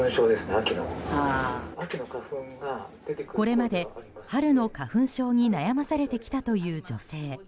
これまで、春の花粉症に悩まされてきたという女性。